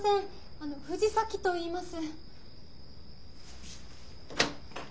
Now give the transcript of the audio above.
あの藤崎といいます。